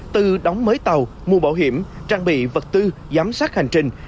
từ đóng mới tàu mua bảo hiểm trang bị vật tư giám sát hành trình